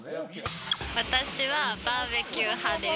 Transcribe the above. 私はバーベキュー派です。